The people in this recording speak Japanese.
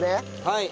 はい。